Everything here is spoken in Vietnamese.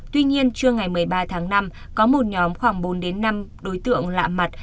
tuy nhiên trưa ngày một mươi ba tháng năm có một nhóm khoảng bốn đến năm đối tượng lạ mặt